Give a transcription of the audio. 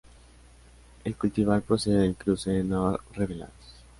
El cultivar procede del cruce ""no revelados"".